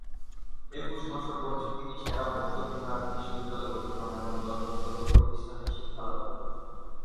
একুশ বছর বয়সে তিনি সে-রা বৌদ্ধবিহার বিশ্ববিদ্যালয়ে ভর্তি হন এবং দশ বছর ঐ প্রতিষ্ঠানে শিক্ষালাভ করেন।